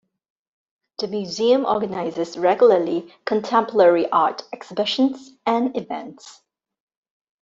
The museum organizes regularly contemporary art exhibitions and events.